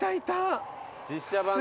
実写版と。